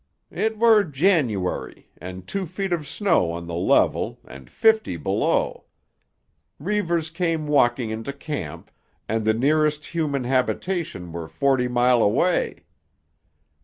"It were January, and two feet of snow on the level, and fifty below. Reivers came walking into camp, and the nearest human habitation were forty mile away.